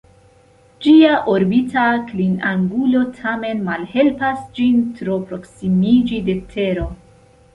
Ĝia orbita klinangulo tamen malhelpas ĝin tro proksimiĝi de Tero.